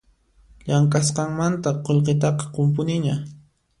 Llamk'asqanmanta qullqitaqa qunpuniña